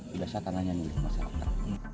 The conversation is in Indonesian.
sudah sah tanahnya nih masyarakat